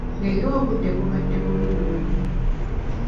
Leero obudde bubadde bubi nnyo.